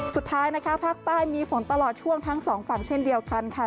สุดท้ายนะคะภาคใต้มีฝนตลอดช่วงทั้งสองฝั่งเช่นเดียวกันค่ะ